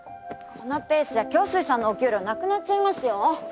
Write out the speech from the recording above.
このペースじゃ京水さんのお給料なくなっちゃいますよ。